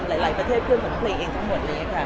หลายประเทศเพื่อนของเพลงเองทั้งหมดเลยค่ะ